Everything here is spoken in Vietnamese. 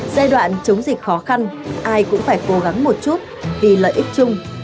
giai đoạn chống dịch khó khăn ai cũng phải cố gắng một chút vì lợi ích chung